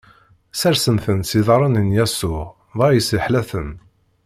Sersen-ten s iḍarren n Yasuɛ, dɣa yesseḥla-ten.